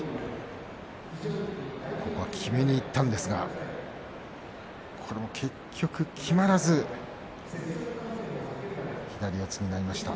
１ｍ８９ｃｍきめにいったんですが結局きまらず左四つになりました。